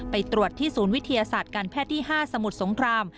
ไปตรวจที่ศูนย์วิทยาศาสตร์การแพทย์ที่๕สมุทรสงคราม